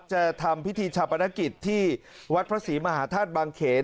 จะทำพิธีชาปนกิจที่วัดพระศรีมหาธาตุบางเขน